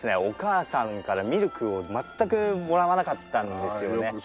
お母さんからミルクを全くもらわなかったんですよね。